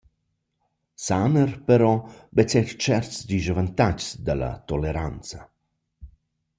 Saner però vezza eir tscherts dischavantags da la toleranza.